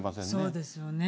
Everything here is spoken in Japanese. そうですよね。